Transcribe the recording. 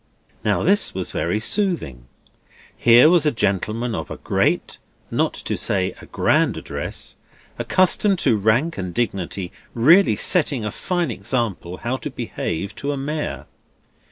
Now this was very soothing. Here was a gentleman of a great, not to say a grand, address, accustomed to rank and dignity, really setting a fine example how to behave to a Mayor.